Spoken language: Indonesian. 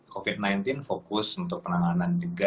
covid sembilan belas fokus untuk penanganan juga